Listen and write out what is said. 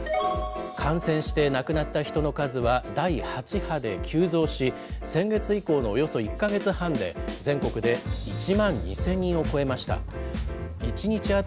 感染して亡くなった人の数は第８波で急増し、先月以降のおよそ１か月半で、全国で１万２０００人を超えました。